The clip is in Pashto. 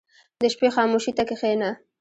• د شپې خاموشي ته کښېنه.